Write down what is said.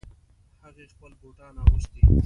هغې خپلې بوټان اغوستې